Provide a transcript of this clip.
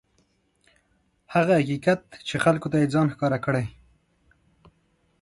هغه حقیقت چې خلکو ته یې ځان ښکاره کړی.